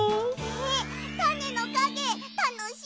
えったねのかげたのしみ！